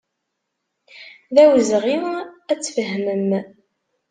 D awezɣi ad tfehmem.